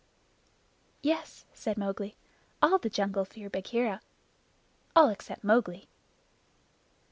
"Yes," said Mowgli, "all the jungle fear Bagheera all except Mowgli."